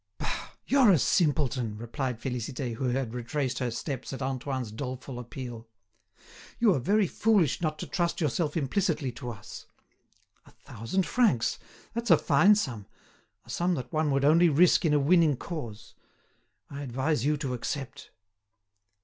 "Bah! you're a simpleton," replied Félicité, who had retraced her steps at Antoine's doleful appeal. "You are very foolish not to trust yourself implicitly to us. A thousand francs! That's a fine sum, a sum that one would only risk in a winning cause. I advise you to accept."